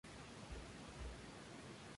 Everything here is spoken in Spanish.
Hay precipitaciones durante todo el año.